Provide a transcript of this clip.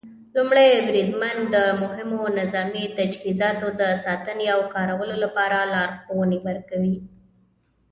لومړی بریدمن د مهمو نظامي تجهیزاتو د ساتنې او کارولو لپاره لارښوونې ورکوي.